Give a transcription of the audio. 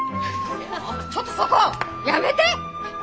ちょっとそこやめて！